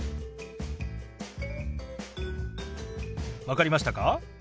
分かりましたか？